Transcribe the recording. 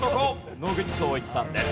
野口聡一さんです。